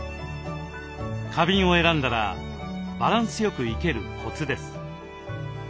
花瓶を選んだらバランスよく生けるコツです。